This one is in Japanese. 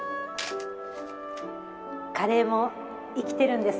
カレーも生きてるんですね。